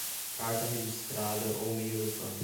carta registrada ou meio eletrônico